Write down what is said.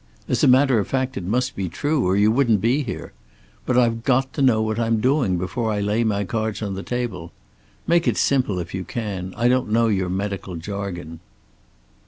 As a matter of fact it must be true, or you wouldn't be here. But I've got to know what I'm doing before I lay my cards on the table. Make it simple, if you can. I don't know your medical jargon."